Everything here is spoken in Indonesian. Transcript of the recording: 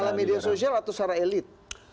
salah media sosial atau salah elit